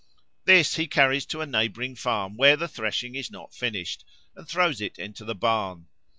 This he carries to a neighbouring farm where the threshing is not finished, and throws it into the barn.